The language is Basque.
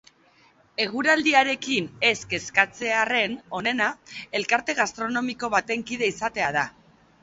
Eguraldiarekin ez kezkatzearren, onena, elkarte gastronomiko baten kide izatea da.